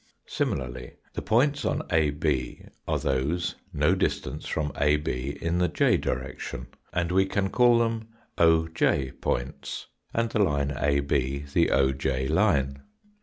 Similarly the points on AB are those no distance Fig. 63ft. from AB in thej direction, and we can call them oj points and the line AB the oj line.